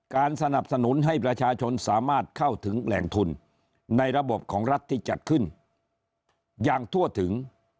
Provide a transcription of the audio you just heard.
การสนับสนุนให้ประชาชนสามารถเข้าถึงแหล่งทุน